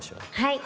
はい。